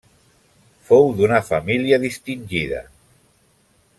Fou d'una família distingida.